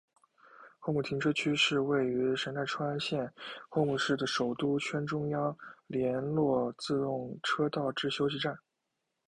厚木停车区是位于神奈川县厚木市的首都圈中央连络自动车道之休息站。